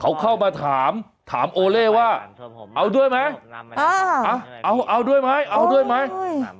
เขาเข้ามาถามถามโอเล่ว่าเอาด้วยไหมเอาเอาด้วยไหมเอาด้วยไหม